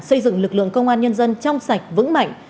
xây dựng lực lượng công an nhân dân trong sạch vững mạnh